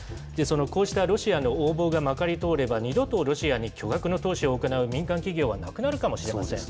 こうしたロシアの横暴がまかり通れば、二度とロシアに巨額の投資を行う民間企業はなくなるかもしれません。